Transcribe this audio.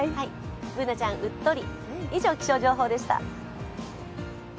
Ｂｏｏｎａちゃん、うっとり。